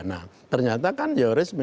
nah ternyata kan yoris